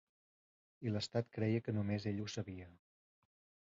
I l’estat creia que només ell ho sabia.